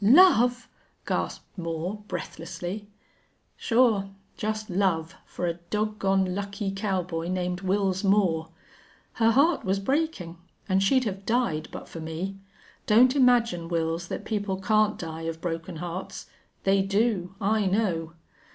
"Love!" gasped Moore, breathlessly. "Sure. Jest love for a dog gone lucky cowboy named Wils Moore!... Her heart was breakin', an' she'd have died but for me! Don't imagine, Wils, that people can't die of broken hearts. They do. I know.